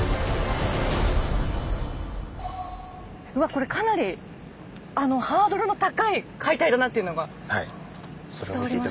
これかなりハードルの高い解体だなというのが伝わりました。